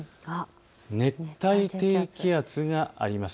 熱帯低気圧があります。